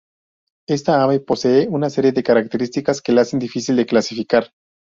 Esta ave posee una serie de características que la hacen difícil de clasificar.